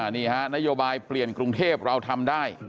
นี่ฮะนโยบายเปลี่ยนกรุงเทพเราทำได้